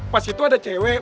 pas itu ada cewek